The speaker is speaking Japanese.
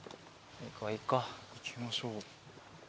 行きましょう。